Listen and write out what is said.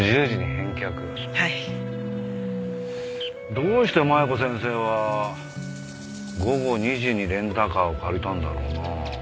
どうして麻弥子先生は午後２時にレンタカーを借りたんだろうなあ。